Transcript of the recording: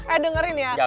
eh dengerin ya